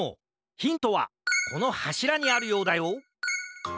ヒントはこのはしらにあるようだよ